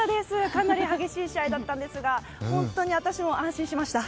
かなり激しい試合だったんですが本当に私も安心しました。